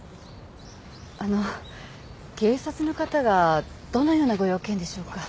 あの警察の方がどのようなご用件でしょうか？